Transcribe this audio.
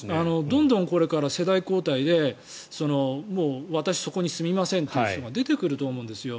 どんどんこれから世代交代でもう私はそこに住みませんという人が出てくると思うんですよ。